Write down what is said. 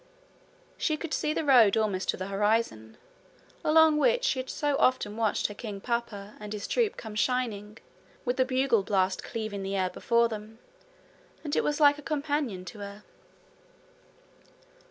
She could see the road almost to the horizon, along which she had so often watched her king papa and his troop come shining, with the bugle blast cleaving the air before them; and it was like a companion to her.